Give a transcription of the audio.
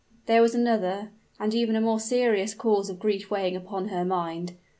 There was another, and even a more serious cause of grief weighing upon her mind.